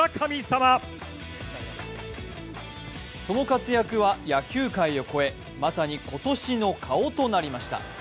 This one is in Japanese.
その活躍は野球界を越え、まさに今年の顔となりました。